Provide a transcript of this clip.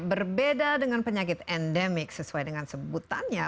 berbeda dengan penyakit endemik sesuai dengan sebutannya